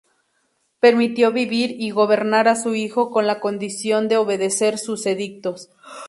Permitió vivir y gobernar a su hijo con la condición de obedecer sus edictos.